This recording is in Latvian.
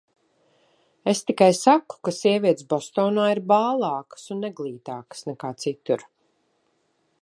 Es tikai saku, ka sievietes Bostonā ir bālākas un neglītākas nekā citur.